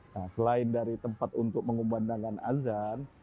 nah selain dari tempat untuk mengumandangkan azan